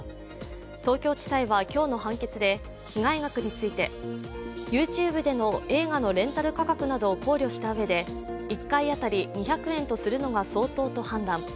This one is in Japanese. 東京地裁は今日の判決で被害額について、ＹｏｕＴｕｂｅでの映画のレンタル価格などを考慮したうえで１回当たり２００円とするのが相当と判断。